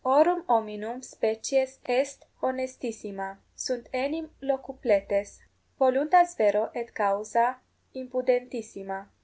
Horum hominum species est honestissima sunt enim locupletes , voluntas vero et causa impudentissima.